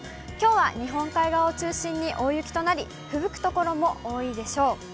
きょうは日本海側を中心に大雪となり、ふぶく所も多いでしょう。